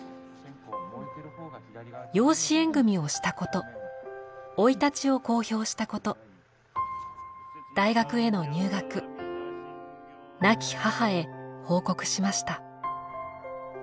養子縁組をしたこと生い立ちを公表したこと大学への入学亡き母へ報告しました。